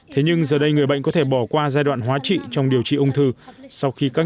thế nhưng giờ đây người bệnh có thể bỏ qua giai đoạn hóa trị trong điều trị ung thư sau khi các